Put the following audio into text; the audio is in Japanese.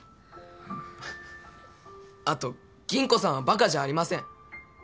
あと吟子さんはバカじゃありません！